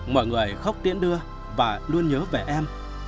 mọi người khóc tiễn đưa và luôn nhớ về em